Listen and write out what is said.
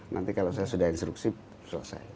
nanti kalau saya sudah instruksi selesai